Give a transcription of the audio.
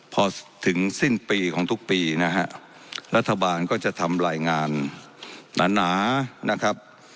พอถึงสิ้นปีของทุกปีนะฮะรัฐบาลก็จะทำรายงานหนานะครับ